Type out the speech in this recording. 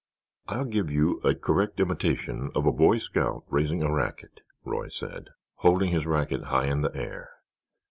"I'll give you a correct imitation of a boy scout raising a racket," Roy said, holding his racket high in the air.